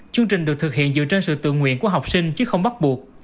chương trình được thực hiện dựa trên sự tự nguyện của học sinh chứ không bắt buộc